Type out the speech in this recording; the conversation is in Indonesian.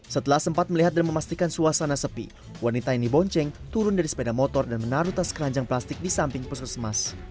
setelah sempat melihat dan memastikan suasana sepi wanita ini bonceng turun dari sepeda motor dan menaruh tas keranjang plastik di samping puskesmas